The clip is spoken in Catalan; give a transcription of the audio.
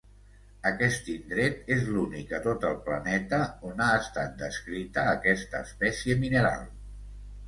Aquest indret és l'únic a tot el planeta on ha estat descrita aquesta espècie mineral.